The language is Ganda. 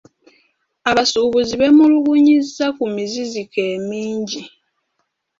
Abasuubuzi beemulugunyizza ku miziziko emingi.